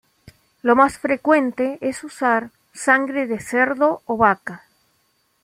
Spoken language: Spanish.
Lo más frecuente es usar sangre de cerdo o vaca.